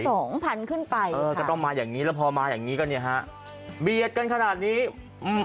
สองพันขึ้นไปเออก็ต้องมาอย่างงี้แล้วพอมาอย่างงี้ก็เนี้ยฮะเบียดกันขนาดนี้อืม